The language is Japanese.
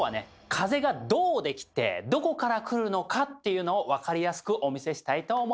風がどう出来てどこから来るのかっていうのを分かりやすくお見せしたいと思います！